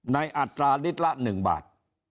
ในอัตราลิลละ๑บาท